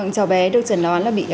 cháu bé được trần loán là bị